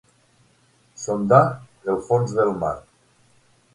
Sondar el fons del mar.